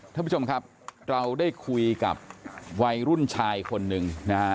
ท่านผู้ชมครับเราได้คุยกับวัยรุ่นชายคนหนึ่งนะฮะ